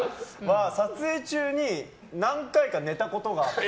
撮影中に何回か寝たことが。